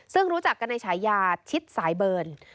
ซึ่งรู้จักกันในฉายาชิดสายเบิร์น